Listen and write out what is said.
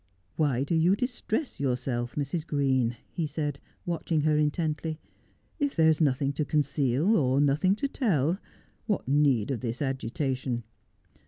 'Why do you distress yourself, Mrs. Green V he said, watch ing her intently. ' If there is nothing to conceal, or nothing to tell, what need of this agitation